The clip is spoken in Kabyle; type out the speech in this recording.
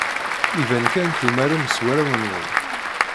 Iban kan tumarem s warraw-nwen.